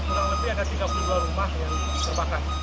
kurang lebih ada tiga puluh dua rumah yang terbakar